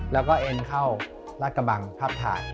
แล้วก็เอ็นเข้ารัดกระบังภาพถ่าย